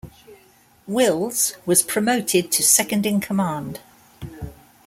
Wills was promoted to second-in-command.